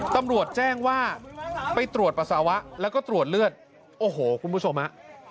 ตำรวจแจ้งว่าไปตรวจปัสสาวะแล้วก็ตรวจเลือดโอ้โหคุณผู้ชมฮะ